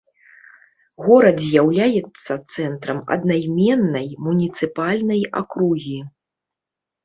Горад з'яўляецца цэнтрам аднайменнай муніцыпальнай акругі.